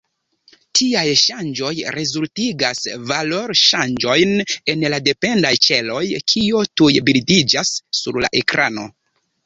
Tiaj ŝanĝoj rezultigas valorŝanĝojn en la dependaj ĉeloj, kio tuj bildiĝas sur la ekrano.